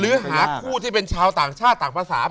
หรือหาคู่ที่เป็นชาวต่างชาติต่างภาษา